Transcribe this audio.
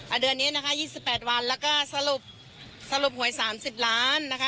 อ่าเดือนนี้นะคะยี่สิบแปดวันแล้วก็สรุปสรุปหวยสามสิบล้านนะคะ